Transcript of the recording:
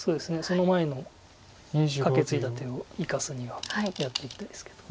その前のカケツイだ手を生かすにはやっていきたいですけど。